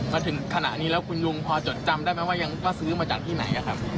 มาถึงขณะนี้แล้วคุณลุงพอจดจำได้ไหมว่ายังว่าซื้อมาจากที่ไหนครับ